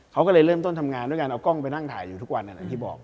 เขาก็เลยเริ่มต้นทำงานด้วยการเอากล้องไปนั่งถ่ายอยู่ทุกวันอย่างที่บอก